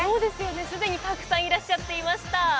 すでにたくさんいらっしゃっていました。